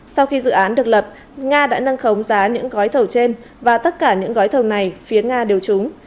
sau khi dự án được lập nga đã nâng khống giá những gói thầu trên và tất cả những gói thầu này phía nga đều trúng